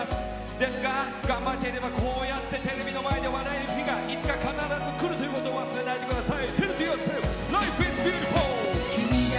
ですが、頑張っていればこうやってテレビの前で笑える日がいつか必ずくることを忘れないでください。